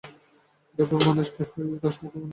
দেব বা মানুষ কেহই তাঁহার সমকক্ষ নয়।